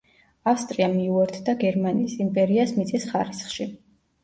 ავსტრია მიუერთდა გერმანიის იმპერიას მიწის ხარისხში.